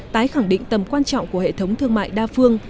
tái khẳng định tầm quan trọng của hệ thống thương mại đa phương